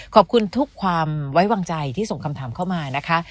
ขอบคุณทุกความไว้วางใจที่ส่งคำถามเข้ามานะคะ